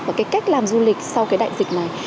và cái cách làm du lịch sau cái đại dịch này